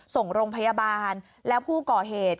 ส่งโรงพยาบาลแล้วผู้ก่อเหตุ